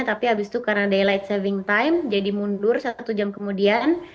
tapi abis itu karena daylight saving time jadi mundur satu jam kemudian